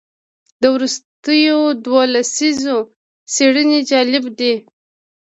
د وروستیو دوو لسیزو څېړنې جالبه دي.